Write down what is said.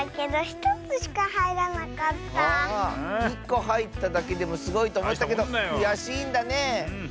１こはいっただけでもすごいとおもったけどくやしいんだね。